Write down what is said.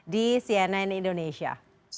di cnn indonesia